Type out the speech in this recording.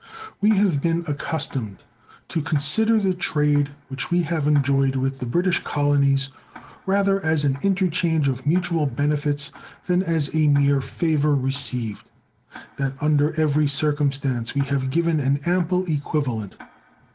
We have been accustomed to consider the trade which we have enjoyed with the British colonies rather as an interchange of mutual benefits than as a mere favor received; that under every circumstance we have given an ample equivalent.